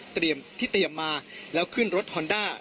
เตรียมที่เตรียมมาแล้วขึ้นรถฮอนด้า